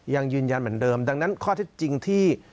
ยังยืนยันเหมือนเดิมดังนั้นข้อเท็จจริงที่